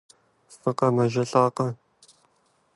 ФыкъэмэжэлӀакъэ?